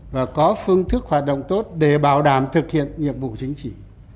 và có phương thức hoạt động tốt để bảo đảm thực hiện nhiệm vụ chính trị